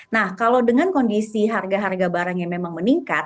nah kalau dengan kondisi harga harga barangnya memang meningkat